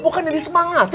bukan yang disemangati